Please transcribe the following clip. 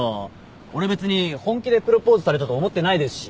俺別に本気でプロポーズされたと思ってないですし。